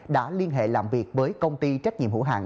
đã liên hệ làm việc với công ty trách nhiệm hữu hàng